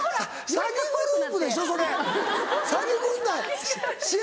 詐欺グループでしょそれ詐欺軍団。